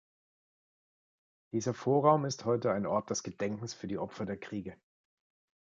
Dieser Vorraum ist heute ein Ort des Gedenkens für die Opfer der Kriege.